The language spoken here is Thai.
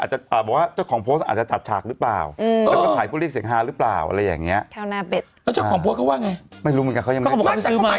หมายถึงจะมีจริงเหรอฉันไม่เชื่อ